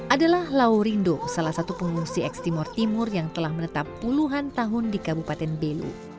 adalah lau rindo salah satu pengungsi eks timur timur yang telah menetap puluhan tahun di kabupaten belu